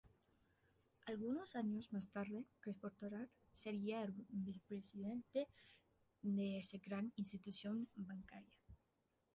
Algunos años más tarde, Crespo Toral sería el Vicepresidente de esa gran institución bancaria.